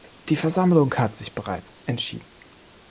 Die Versammlung hat sich bereits entschieden.